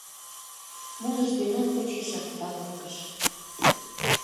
Молышт мемнан почешак Таловкыш.